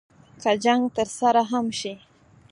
که جنګ ترسره هم شي.